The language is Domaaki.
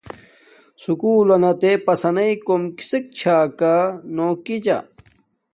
سوکولنا تے پسنݷ کوم کسک چھا کا نو کجا